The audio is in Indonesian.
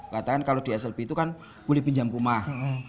katakan kalau di slb itu kan boleh pinjam rumah